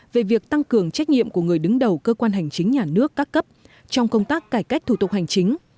về việc tăng cường trách nhiệm của người đứng đầu cơ quan hành chính nhà nước các cấp trong công tác cải cách thủ tục hành chính